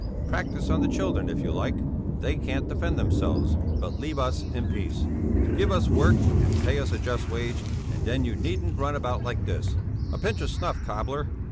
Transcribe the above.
Practise on the children, if you like, they can't defend themselves; but leave us in peace. Give us work and pay us a just wage and then you needn't run about like this. A pinch of snuff, cobbler!"